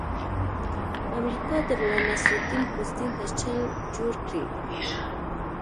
امریکا د ملانصرالدین پوستین ته چل جوړ کړی.